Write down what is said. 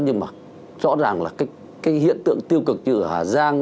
nhưng mà rõ ràng là cái hiện tượng tiêu cực như ở hà giang